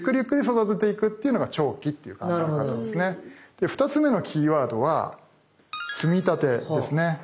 で２つ目のキーワードは積立ですね。